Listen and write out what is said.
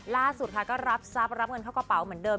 ล่าสุดค่ะก็รับทรัพย์รับเงินเข้ากระเป๋าเหมือนเดิม